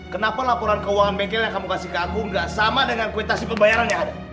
kenapa laporan keuangan bengkel yang kamu kasih ke aku nggak sama dengan kuitasi pembayarannya harta